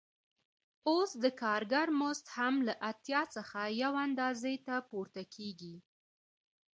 اوس د کارګر مزد هم له اتیا څخه یوې اندازې ته پورته کېږي